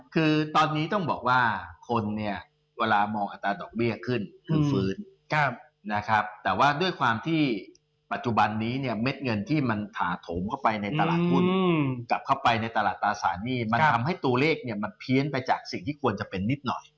คือตอนนี้ต้องบอกว่าคนเนี่ยเวลามองอัตราดอกเบี้ยขึ้นถึงฟื้นนะครับแต่ว่าด้วยความที่ปัจจุบันนี้เนี่ยเม็ดเงินที่มันถาโถมเข้าไปในตลาดทุนกลับเข้าไปในตลาดตราสารหนี้มันทำให้ตัวเลขเนี่ยมันเพี้ยนไปจากสิ่งที่ควรจะเป็นนิดหน่อย